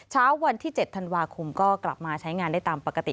เช้าวันที่๗ธันวาคมก็กลับมาใช้งานได้ตามปกติ